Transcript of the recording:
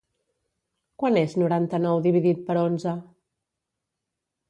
Quant és noranta-nou dividit per onze?